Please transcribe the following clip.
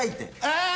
ああ！